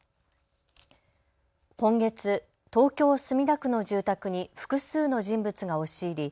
今月、東京墨田区の住宅に複数の人物が押し入り